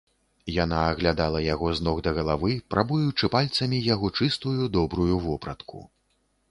Яна аглядала яго з ног да галавы, прабуючы пальцамі яго чыстую, добрую вопратку.